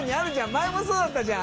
阿そうだったじゃん